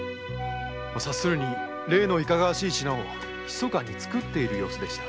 察するに例のいかがわしい品を密かに作っていたようです。